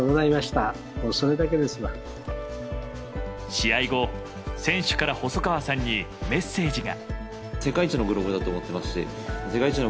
試合後、選手から細川さんにメッセージが。